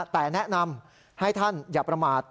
แต่แนะนำให้ท่านอย่าประมาท